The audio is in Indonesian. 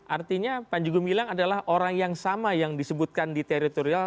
artinya panji gumilang adalah orang yang sama yang disebutkan di teritorial